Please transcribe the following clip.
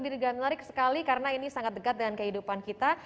diregar menarik sekali karena ini sangat dekat dengan kehidupan kita